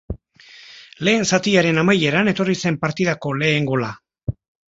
Lehen zatiaren amaieran etorri zen partidako lehen gola.